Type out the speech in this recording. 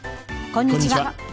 こんにちは。